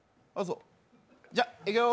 じゃ、いくよ。